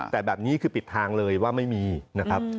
แต่แบบนี้คือปิดทางเลยว่าไม่มีนะครับ